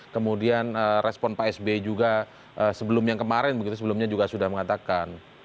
kemudian respon pak sby juga sebelum yang kemarin begitu sebelumnya juga sudah mengatakan